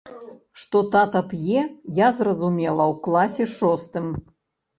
Што тата п'е, я зразумела ў класе шостым.